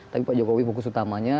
tapi pak jokowi fokus utamanya